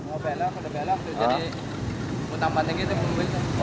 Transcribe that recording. mau belok udah belok udah jadi utama tinggi tuh mobilnya